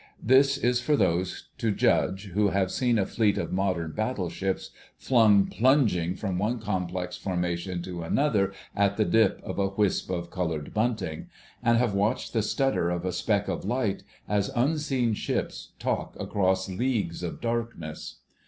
This is for those to judge who have seen a fleet of modern battleships flung plunging from one complex formation to another at the dip of a "wisp of coloured bunting," and have watched the stutter of a speck of light, as unseen ships talk across leagues of darkness.